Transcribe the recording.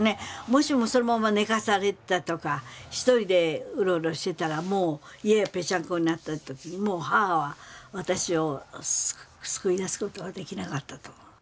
もしもそのまま寝かされてたとか１人でウロウロしてたらもう家ぺしゃんこになった時にもう母は私を救い出す事はできなかったと。